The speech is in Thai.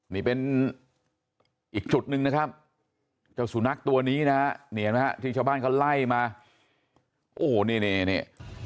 นี่เป็นอีกจุดหนึ่งนะครับเจ้าสุนัขตัวนี้นะฮะนี่เห็นไหมฮะที่ชาวบ้านเขาไล่มาโอ้โหนี่นี่